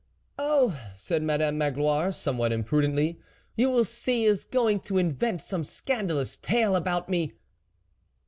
" Oh !" said Madame Magloire, some what imprudently, " you will see, he is going to invent some scandalous tale about me."